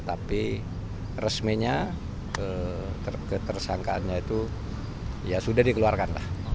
tapi resmenya ke tersangka nya itu ya sudah dikeluarkan lah